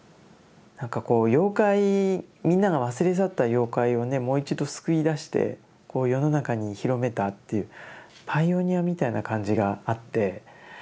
なんかこう妖怪みんなが忘れ去った妖怪をねもう一度すくい出してこう世の中に広めたっていうパイオニアみたいな感じがあって。